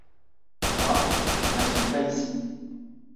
Moi, je ne reste pas ici !